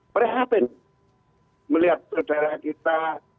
perhatian melihat saudara kita